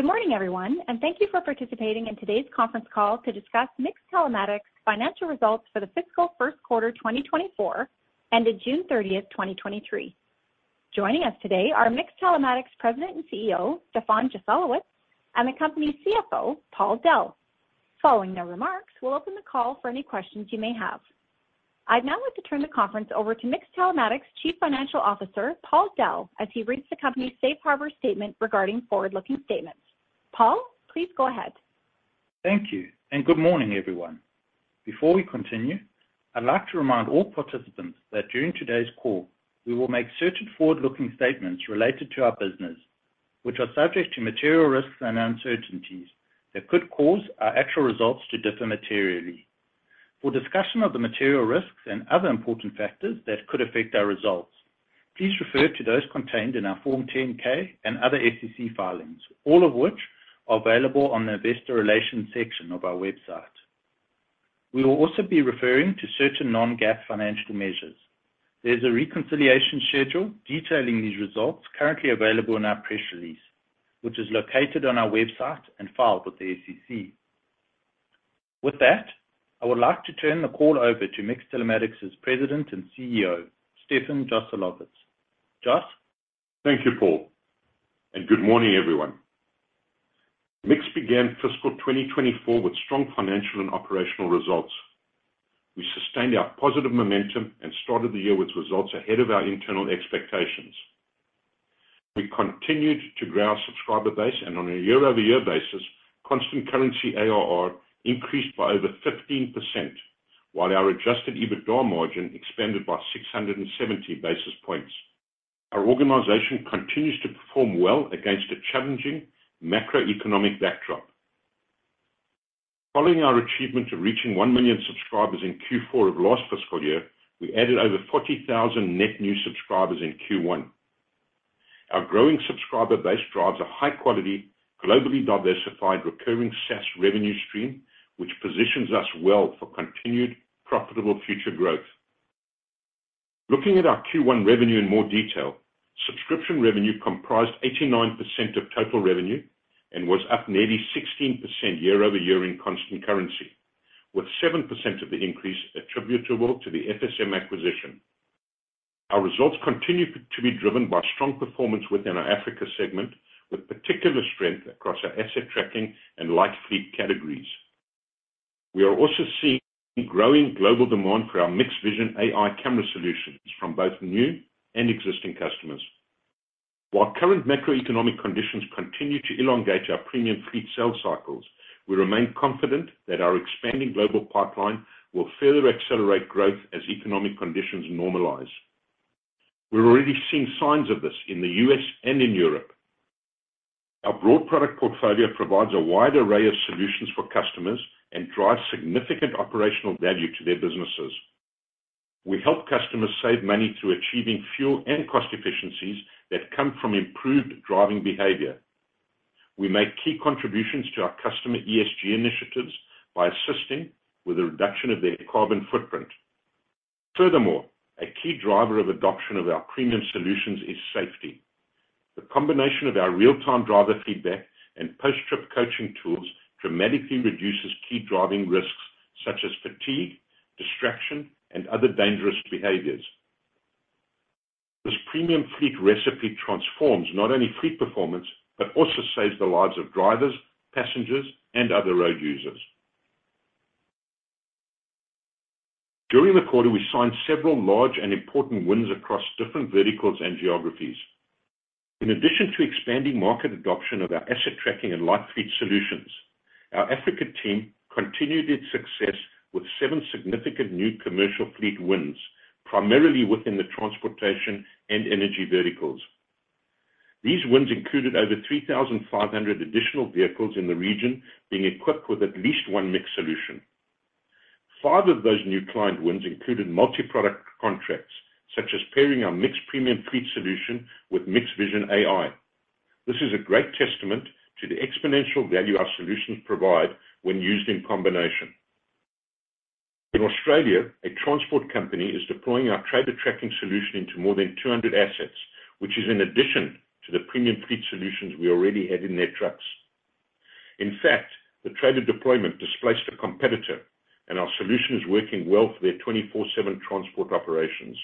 Good morning, everyone, and thank you for participating in today's conference call to discuss MiX Telematics' financial results for the fiscal first quarter, 2024, ended June 30, 2023. Joining us today are MiX Telematics President and CEO, Stefan Joselowitz, and the company's CFO, Paul Dell. Following their remarks, we'll open the call for any questions you may have. I'd now like to turn the conference over to MiX Telematics' Chief Financial Officer, Paul Dell, as he reads the company's safe harbor statement regarding forward-looking statements. Paul, please go ahead. Thank you, and good morning, everyone. Before we continue, I'd like to remind all participants that during today's call, we will make certain forward-looking statements related to our business, which are subject to material risks and uncertainties that could cause our actual results to differ materially. For discussion of the material risks and other important factors that could affect our results, please refer to those contained in our Form 10-K and other SEC filings, all of which are available on the Investor Relations section of our website. We will also be referring to certain non-GAAP financial measures. There's a reconciliation schedule detailing these results currently available in our press release, which is located on our website and filed with the SEC. With that, I would like to turn the call over to MiX Telematics' President and CEO, Stefan Joselowitz. Joss? Thank you, Paul, and good morning, everyone. MiX began fiscal 2024 with strong financial and operational results. We sustained our positive momentum and started the year with results ahead of our internal expectations. We continued to grow our subscriber base, and on a year-over-year basis, constant currency ARR increased by over 15%, while our adjusted EBITDA margin expanded by 670 basis points. Our organization continues to perform well against a challenging macroeconomic backdrop. Following our achievement of reaching 1 million subscribers in Q4 of last fiscal year, we added over 40,000 net new subscribers in Q1. Our growing subscriber base drives a high-quality, globally diversified, recurring SaaS revenue stream, which positions us well for continued profitable future growth. Looking at our Q1 revenue in more detail, subscription revenue comprised 89% of total revenue and was up nearly 16% year-over-year in constant currency, with 7% of the increase attributable to the FSM acquisition. Our results continue to be driven by strong performance within our Africa segment, with particular strength across our asset tracking and light fleet categories. We are also seeing growing global demand for our MiX Vision AI camera solutions from both new and existing customers. While current macroeconomic conditions continue to elongate our premium fleet sales cycles, we remain confident that our expanding global pipeline will further accelerate growth as economic conditions normalize. We're already seeing signs of this in the U.S. and in Europe. Our broad product portfolio provides a wide array of solutions for customers and drives significant operational value to their businesses. We help customers save money through achieving fuel and cost efficiencies that come from improved driving behavior. We make key contributions to our customer ESG initiatives by assisting with the reduction of their carbon footprint. Furthermore, a key driver of adoption of our premium solutions is safety. The combination of our real-time driver feedback and post-trip coaching tools dramatically reduces key driving risks, such as fatigue, distraction, and other dangerous behaviors. This premium fleet recipe transforms not only fleet performance, but also saves the lives of drivers, passengers, and other road users. During the quarter, we signed several large and important wins across different verticals and geographies. In addition to expanding market adoption of our asset tracking and light fleet solutions, our Africa team continued its success with seven significant new commercial fleet wins, primarily within the transportation and energy verticals. These wins included over 3,500 additional vehicles in the region, being equipped with at least one MiX solution. 5 of those new client wins included multi-product contracts, such as pairing our MiX premium fleet solution with MiX Vision AI. This is a great testament to the exponential value our solutions provide when used in combination. In Australia, a transport company is deploying our trailer tracking solution into more than 200 assets, which is in addition to the premium fleet solutions we already had in their trucks. In fact, the trailer deployment displaced a competitor, and our solution is working well for their 24/7 transport operations.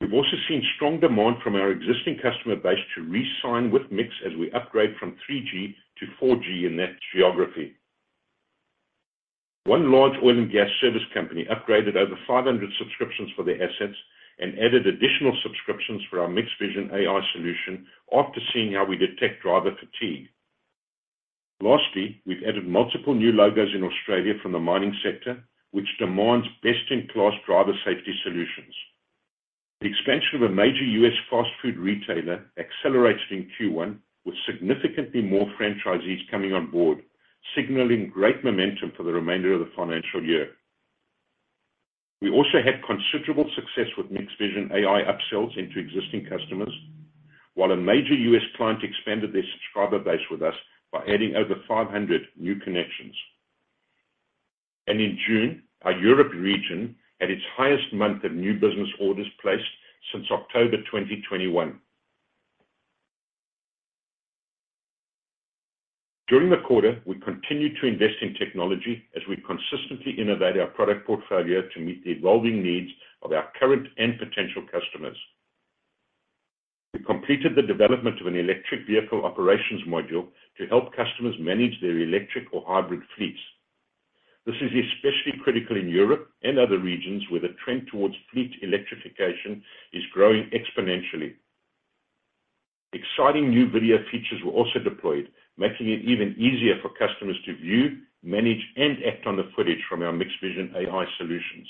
We've also seen strong demand from our existing customer base to re-sign with MiX as we upgrade from 3G to 4G in that geography. One large oil and gas service company upgraded over 500 subscriptions for their assets and added additional subscriptions for our MiX Vision AI solution after seeing how we detect driver fatigue. Lastly, we've added multiple new logos in Australia from the mining sector, which demands best-in-class driver safety solutions. The expansion of a major U.S. fast food retailer accelerated in Q1, with significantly more franchisees coming on board, signaling great momentum for the remainder of the financial year. We also had considerable success with MiX Vision AI upsells into existing customers, while a major U.S. client expanded their subscriber base with us by adding over 500 new connections. In June, our Europe region had its highest month of new business orders placed since October 2021. During the quarter, we continued to invest in technology as we consistently innovate our product portfolio to meet the evolving needs of our current and potential customers. We completed the development of an electric vehicle operations module to help customers manage their electric or hybrid fleets. This is especially critical in Europe and other regions, where the trend towards fleet electrification is growing exponentially. Exciting new video features were also deployed, making it even easier for customers to view, manage, and act on the footage from our MiX Vision AI solutions.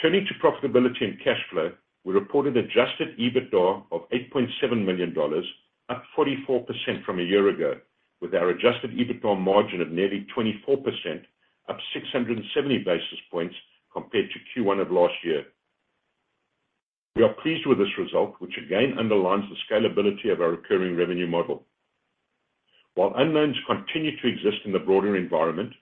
Turning to profitability and cash flow, we reported adjusted EBITDA of $8.7 million, up 44% from a year ago, with our adjusted EBITDA margin of nearly 24%, up 670 basis points compared to Q1 of last year. We are pleased with this result, which again underlines the scalability of our recurring revenue model. While unknowns continue to exist in the broader environment,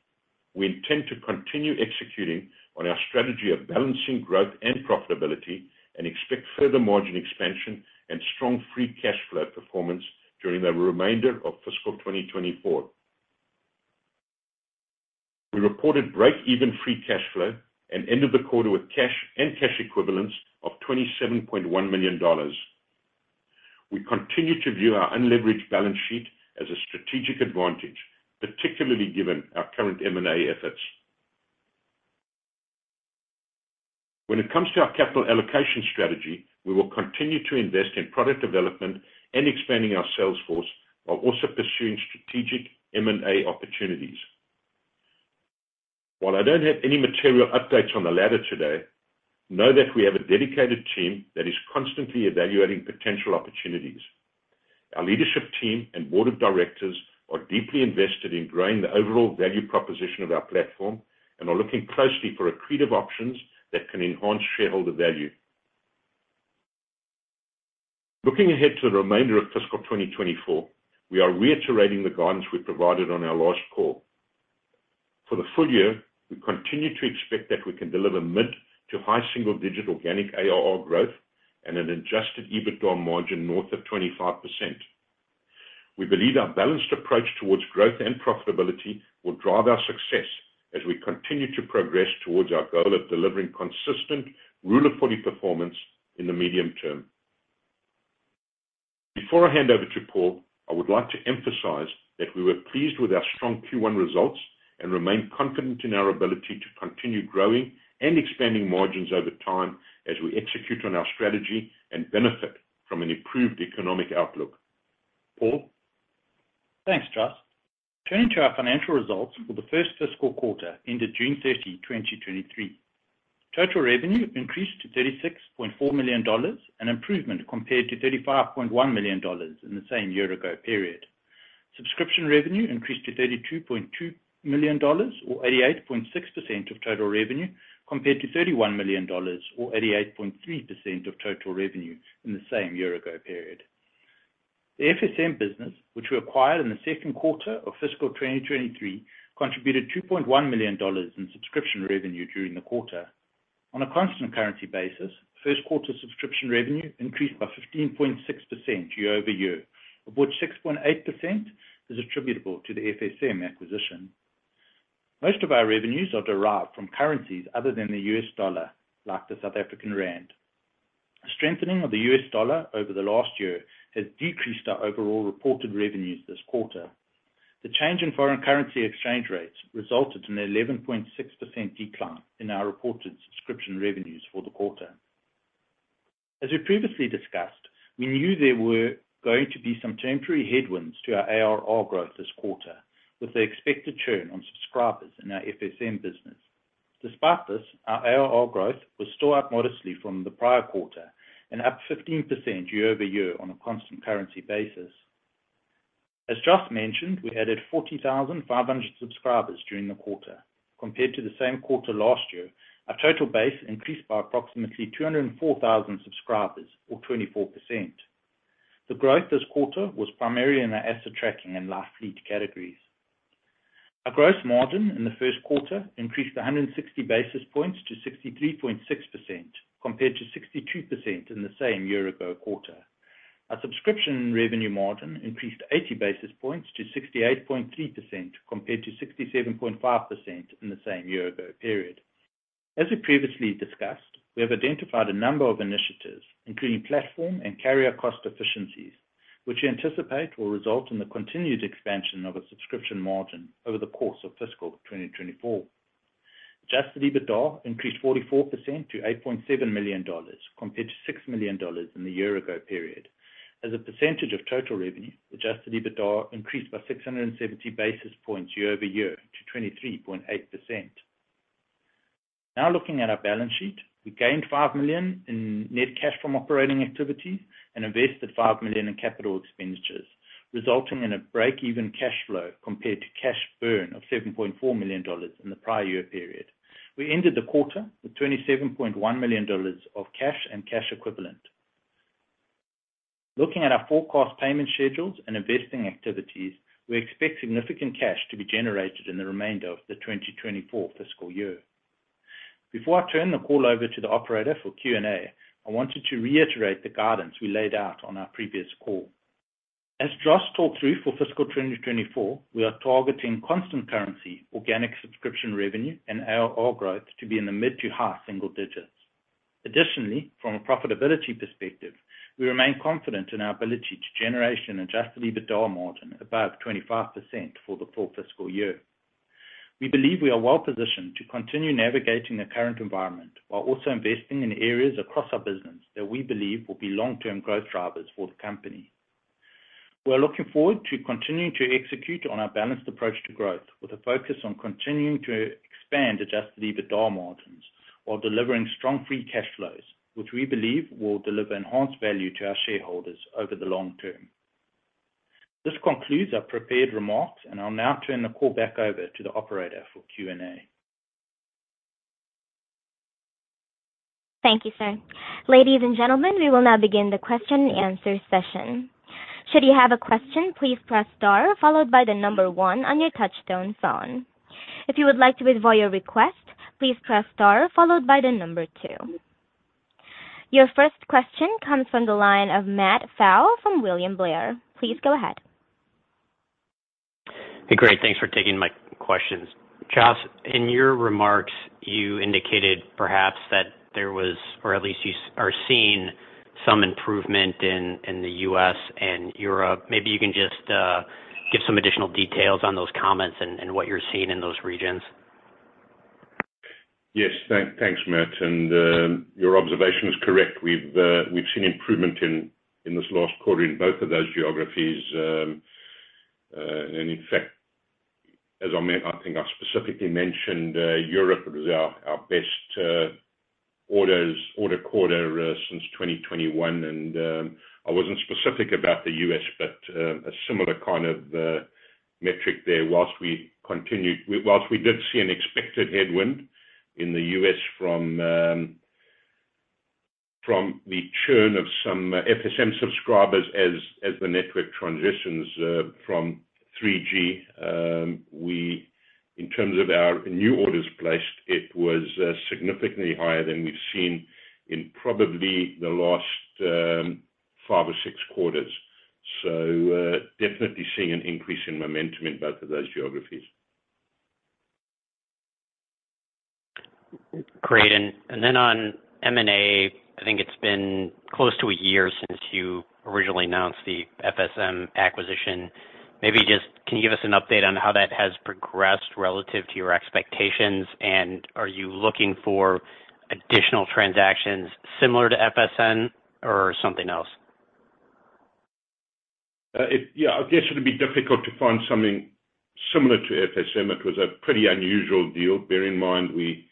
we intend to continue executing on our strategy of balancing growth and profitability, and expect further margin expansion and strong free cash flow performance during the remainder of fiscal 2024. We reported breakeven free cash flow and ended the quarter with cash and cash equivalents of $27.1 million. We continue to view our unleveraged balance sheet as a strategic advantage, particularly given our current M&A efforts. When it comes to our capital allocation strategy, we will continue to invest in product development and expanding our sales force, while also pursuing strategic M&A opportunities. While I don't have any material updates on the latter today, know that we have a dedicated team that is constantly evaluating potential opportunities. Our leadership team and board of directors are deeply invested in growing the overall value proposition of our platform and are looking closely for accretive options that can enhance shareholder value. Looking ahead to the remainder of fiscal 2024, we are reiterating the guidance we provided on our last call. For the full year, we continue to expect that we can deliver mid to high single-digit organic ARR growth and an adjusted EBITDA margin north of 25%. We believe our balanced approach towards growth and profitability will drive our success as we continue to progress towards our goal of delivering consistent, Rule of 40 performance in the medium term. Before I hand over to Paul, I would like to emphasize that we were pleased with our strong Q1 results and remain confident in our ability to continue growing and expanding margins over time as we execute on our strategy and benefit from an improved economic outlook. Paul? Thanks, Joss. Turning to our financial results for the first fiscal quarter ended June 30, 2023. Total revenue increased to $36.4 million, an improvement compared to $35.1 million in the same year-ago period. Subscription revenue increased to $32.2 million, or 88.6% of total revenue, compared to $31 million, or 88.3% of total revenue in the same year-ago period. The FSM business, which we acquired in the second quarter of fiscal 2023, contributed $2.1 million in subscription revenue during the quarter. On a constant currency basis, first quarter subscription revenue increased by 15.6% year-over-year, of which 6.8% is attributable to the FSM acquisition. Most of our revenues are derived from currencies other than the U.S. dollar, like the South African rand. Strengthening of the U.S. dollar over the last year has decreased our overall reported revenues this quarter. The change in foreign currency exchange rates resulted in an 11.6% decline in our reported subscription revenues for the quarter. As we previously discussed, we knew there were going to be some temporary headwinds to our ARR growth this quarter, with the expected churn on subscribers in our FSM business. Despite this, our ARR growth was still up modestly from the prior quarter and up 15% year-over-year on a constant currency basis. As Joss mentioned, we added 40,500 subscribers during the quarter. Compared to the same quarter last year, our total base increased by approximately 204,000 subscribers, or 24%. The growth this quarter was primarily in our asset tracking and light fleet categories. Our gross margin in the first quarter increased 160 basis points to 63.6%, compared to 62% in the same year-ago quarter. Our subscription revenue margin increased 80 basis points to 68.3%, compared to 67.5% in the same year-ago period. As we previously discussed, we have identified a number of initiatives, including platform and carrier cost efficiencies, which we anticipate will result in the continued expansion of a subscription margin over the course of fiscal 2024. Adjusted EBITDA increased 44% to $8.7 million, compared to $6 million in the year-ago period. As a percentage of total revenue, adjusted EBITDA increased by 670 basis points year-over-year to 23.8%. Now looking at our balance sheet, we gained $5 million in net cash from operating activities and invested $5 million in capital expenditures, resulting in a break-even cash flow compared to cash burn of $7.4 million in the prior year period. We ended the quarter with $27.1 million of cash and cash equivalent. Looking at our forecast payment schedules and investing activities, we expect significant cash to be generated in the remainder of the 2024 fiscal year. Before I turn the call over to the operator for Q&A, I wanted to reiterate the guidance we laid out on our previous call. As Joss talked through for fiscal 2024, we are targeting constant currency, organic subscription revenue, and ARR growth to be in the mid-to-high single digits. Additionally, from a profitability perspective, we remain confident in our ability to generation adjusted EBITDA margin above 25% for the full fiscal year. We believe we are well positioned to continue navigating the current environment, while also investing in areas across our business that we believe will be long-term growth drivers for the company. We are looking forward to continuing to execute on our balanced approach to growth, with a focus on continuing to expand adjusted EBITDA margins, while delivering strong free cash flows, which we believe will deliver enhanced value to our shareholders over the long term. This concludes our prepared remarks, and I'll now turn the call back over to the operator for Q&A. Thank you, sir. Ladies and gentlemen, we will now begin the question and answer session. Should you have a question, please press star followed by the number one on your touch-tone phone. If you would like to withdraw your request, please press star followed by the number two. Your first question comes from the line of Matt Pfau from William Blair. Please go ahead. Hey, great. Thanks for taking my questions. Joss, in your remarks, you indicated perhaps that there was, or at least you are seeing some improvement in the U.S. and Europe. Maybe you can just give some additional details on those comments and what you're seeing in those regions. Yes, thank, thanks, Matt, and your observation is correct. We've, we've seen improvement in, in this last quarter in both of those geographies. In fact, as I think I specifically mentioned, Europe was our, our best, orders, order quarter, since 2021, and I wasn't specific about the U.S., but a similar kind of, metric there. Whilst we continued whilst we did see an expected headwind in the U.S. from, from the churn of some FSM subscribers as, as the network transitions, from 3G, we, in terms of our new orders placed, it was, significantly higher than we've seen in probably the last, five or six quarters. Definitely seeing an increase in momentum in both of those geographies. Great. And then on M&A, I think it's been close to a year since you originally announced the FSM acquisition. Maybe just, can you give us an update on how that has progressed relative to your expectations? Are you looking for additional transactions similar to FSM or something else? it, yeah, I guess it would be difficult to find something similar to FSM. It was a pretty unusual deal. Bear in mind, we,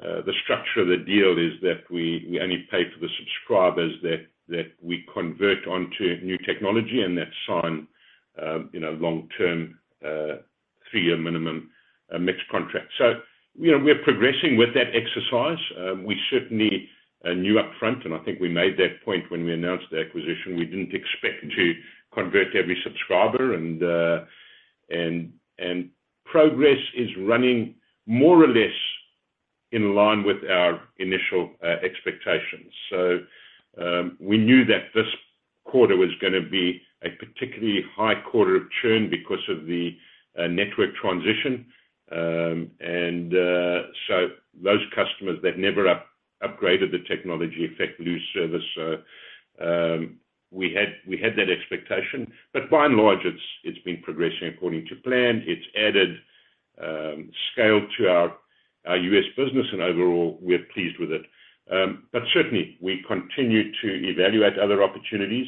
the structure of the deal is that we, we only pay for the subscribers that, that we convert onto new technology and that sign, you know, long-term, 3-year minimum, MiX contract. You know, we're progressing with that exercise. We certainly knew upfront, and I think we made that point when we announced the acquisition, we didn't expect to convert every subscriber, and, and progress is running more or less in line with our initial expectations. We knew that this quarter was gonna be a particularly high quarter of churn because of the network transition. Those customers that never upgraded the technology effect lose service. We had, we had that expectation, but by and large, it's, it's been progressing according to plan. It's added scale to our U.S. business, and overall, we're pleased with it. Certainly, we continue to evaluate other opportunities.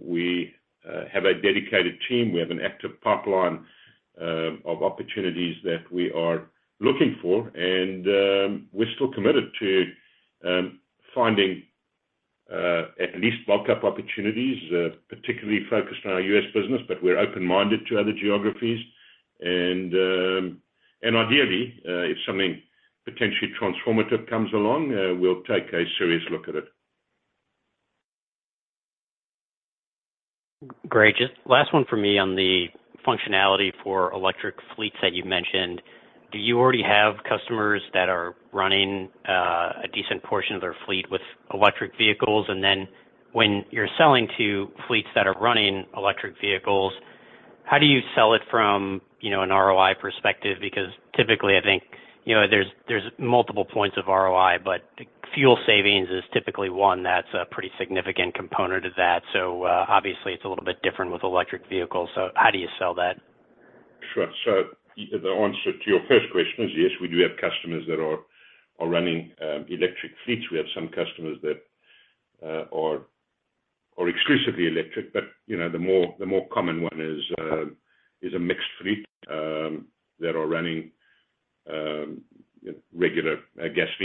We have a dedicated team. We have an active pipeline of opportunities that we are looking for, and we're still committed to finding at least bulk up opportunities, particularly focused on our U.S. business, but we're open-minded to other geographies. Ideally, if something potentially transformative comes along, we'll take a serious look at it. Great. Just last one for me on the functionality for electric fleets that you mentioned. Do you already have customers that are running a decent portion of their fleet with electric vehicles? Then when you're selling to fleets that are running electric vehicles, how do you sell it from, you know, an ROI perspective? Because typically, I think, you know, there's, there's multiple points of ROI, but fuel savings is typically one that's a pretty significant component of that. Obviously, it's a little bit different with electric vehicles. So how do you sell that? Sure. The answer to your first question is yes, we do have customers that are, are running electric fleets. We have some customers that are, are exclusively electric, but, you know, the more, the more common one is a mixed fleet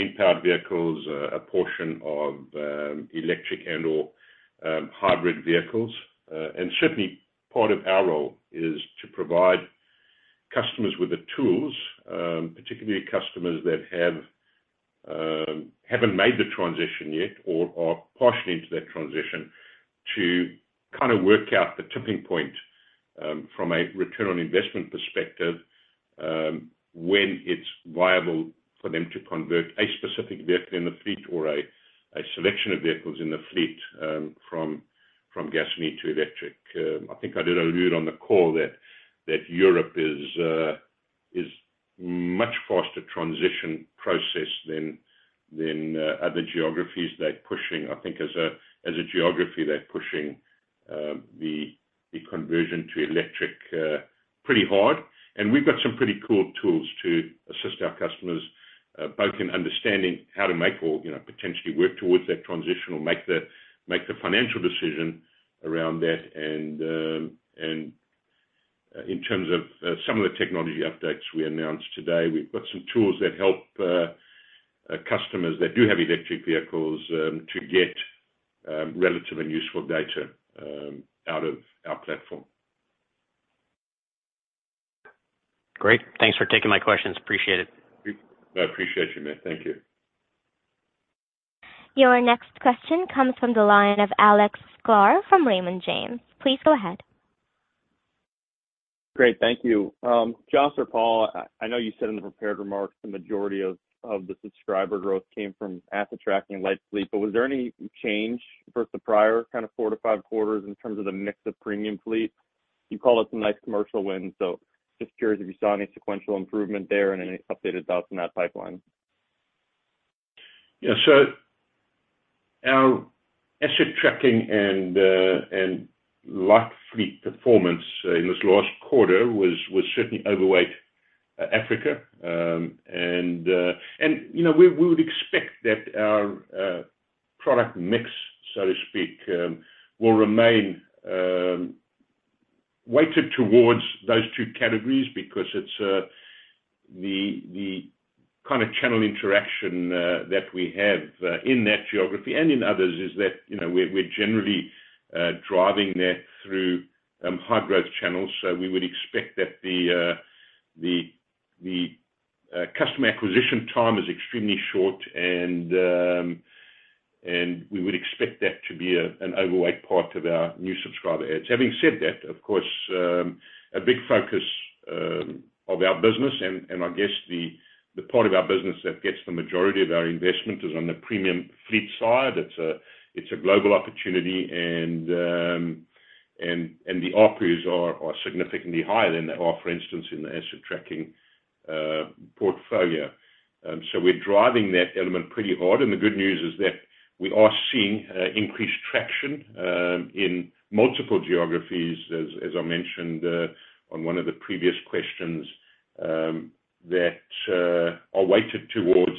that are running regular gasoline-powered vehicles, a portion of electric and/or hybrid vehicles. And certainly part of our role is to provide customers with the tools, particularly customers that have haven't made the transition yet or are partially into that transition, to kind of work out the tipping point from a return on investment perspective, when it's viable for them to convert a specific vehicle in the fleet or a selection of vehicles in the fleet from, from gasoline to electric. I think I did allude on the call that, that Europe is much faster transition process than, than other geographies. They're pushing, I think, as a geography, they're pushing the conversion to electric pretty hard. We've got some pretty cool tools to assist our customers both in understanding how to make or, you know, potentially work towards that transition or make the, make the financial decision around that. In terms of some of the technology updates we announced today, we've got some tools that help customers that do have electric vehicles to get relative and useful data out of our platform. Great. Thanks for taking my questions. Appreciate it. I appreciate you, Matt. Thank you. Your next question comes from the line of Alex Sklar from Raymond James. Please go ahead. Great, thank you. Joss or Paul, I, I know you said in the prepared remarks, the majority of, of the subscriber growth came from asset tracking and light fleet, but was there any change versus the prior kind of four to five quarters in terms of the mix of MiX Fleet Manager Premium? You called it some nice commercial win, so just curious if you saw any sequential improvement there and any updated thoughts on that pipeline. Yeah. So our asset tracking and light fleet performance in this last quarter was, was certainly overweight Africa. You know, we, we would expect that our product mix, so to speak, will remain weighted towards those two categories because it's the, the kind of channel interaction that we have in that geography and in others is that, you know, we're, we're generally driving that through high growth channels. We would expect that the, the, the customer acquisition time is extremely short and we would expect that to be an overweight part of our new subscriber adds. Having said that, of course, a big focus of our business and, and I guess the, the part of our business that gets the majority of our investment is on the premium fleet side. It's a, it's a global opportunity, and, and the ARPU's are significantly higher than they are, for instance, in the asset tracking portfolio. We're driving that element pretty hard, and the good news is that we are seeing increased traction in multiple geographies, as, as I mentioned, on one of the previous questions, that are weighted towards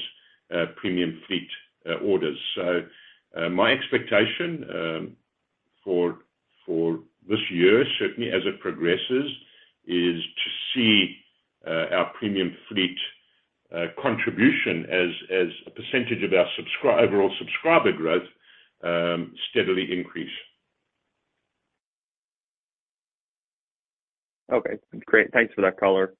premium fleet orders. My expectation for this year, certainly as it progresses, is to see our premium fleet contribution as a % of our subscriber, or subscriber growth, steadily increase. Okay, great. Thanks for that color.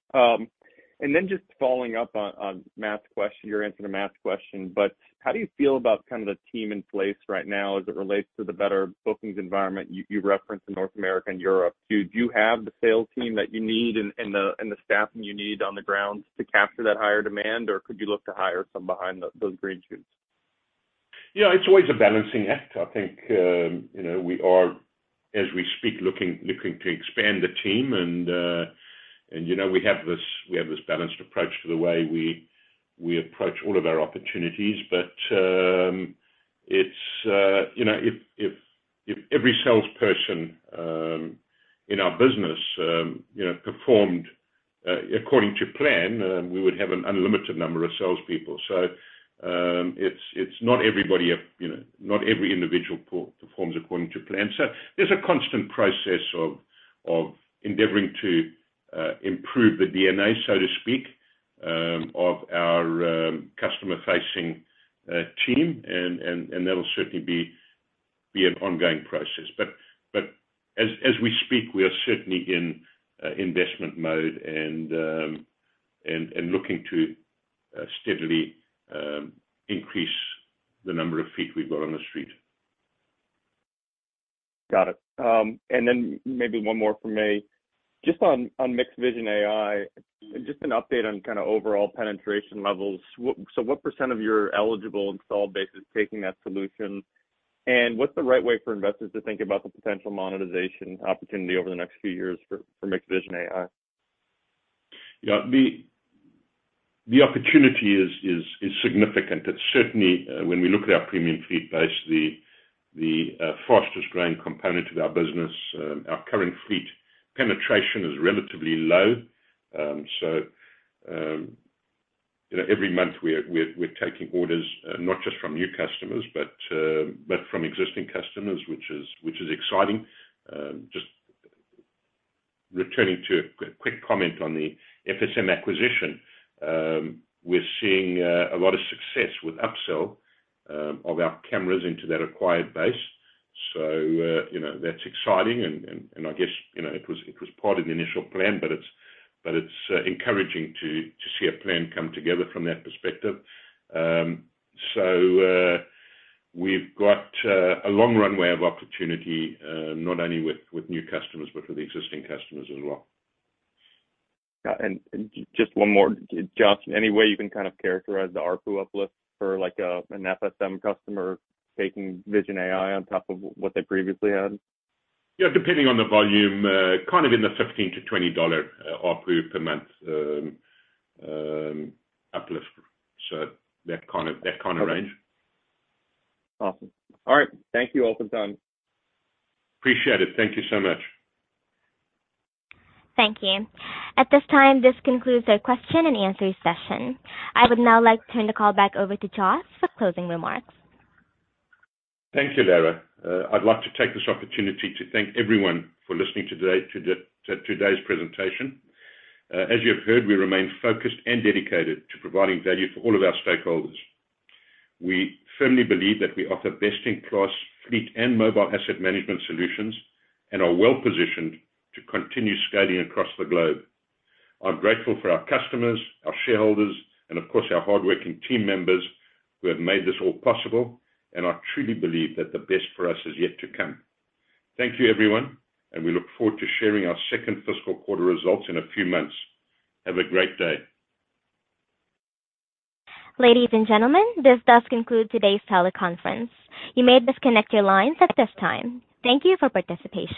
Then just following up on, on Matt's question, your answer to Matt's question, how do you feel about kind of the team in place right now as it relates to the better bookings environment you referenced in North America and Europe? Do you have the sales team that you need and the staffing you need on the ground to capture that higher demand, or could you look to hire some behind those green shoots? You know, it's always a balancing act. I think, you know, we are, as we speak, looking, looking to expand the team and, and, you know, we have this, we have this balanced approach to the way we, we approach all of our opportunities. It's, you know, if, if, if every salesperson in our business, you know, performed according to plan, we would have an unlimited number of salespeople. It's, it's not everybody of, you know, not every individual performs according to plan. There's a constant process of, of endeavoring to improve the DNA, so to speak, of our customer-facing team. That'll certainly be an ongoing process. As, as we speak, we are certainly in investment mode and, and, and looking to steadily increase the number of feet we've got on the street. Got it. Maybe one more from me. Just on, on MiX Vision AI, just an update on kind of overall penetration levels. What percent of your eligible installed base is taking that solution? What's the right way for investors to think about the potential monetization opportunity over the next few years for, for MiX Vision AI? Yeah. The, the opportunity is, is, is significant. It's certainly, when we look at our premium fleet base, the, the, fastest growing component of our business, our current fleet penetration is relatively low. You know, every month we're, we're, we're taking orders, not just from new customers, but, but from existing customers, which is, which is exciting. Just returning to a quick comment on the FSM acquisition, we're seeing a lot of success with upsell of our cameras into that acquired base. You know, that's exciting and, and, and I guess, you know, it was, it was part of the initial plan, but it's, but it's encouraging to, to see a plan come together from that perspective. We've got a long runway of opportunity, not only with new customers, but for the existing customers as well. Got it. Just one more. Joss, any way you can kind of characterize the ARPU uplift for, like, an FSM customer taking Vision AI on top of what they previously had? Yeah, depending on the volume, kind of in the $15-$20 ARPU per month uplift. That kind of, that kind of range. Awesome. All right. Thank you, all for your time. Appreciate it. Thank you so much. Thank you. At this time, this concludes our question and answer session. I would now like to turn the call back over to Joss for closing remarks. Thanks, Alara. I'd like to take this opportunity to thank everyone for listening today to today's presentation. As you have heard, we remain focused and dedicated to providing value for all of our stakeholders. We firmly believe that we offer best-in-class fleet and mobile asset management solutions and are well-positioned to continue scaling across the globe. I'm grateful for our customers, our shareholders, and of course, our hardworking team members who have made this all possible, and I truly believe that the best for us is yet to come. Thank you, everyone, and we look forward to sharing our second fiscal quarter results in a few months. Have a great day. Ladies and gentlemen, this does conclude today's teleconference. You may disconnect your lines at this time. Thank you for participation.